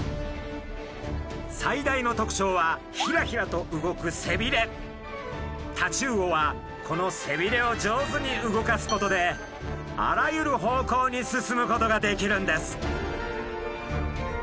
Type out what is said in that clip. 最大の特徴はヒラヒラと動くタチウオはこの背びれを上手に動かすことであらゆる方向に進むことができるんです。